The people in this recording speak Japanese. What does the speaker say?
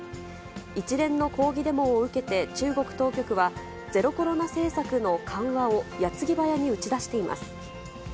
一連の抗議デモを受けて、中国当局は、ゼロコロナ政策の緩和を、やつぎばやに打ち出しています。